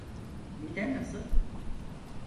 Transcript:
Miden nasıl?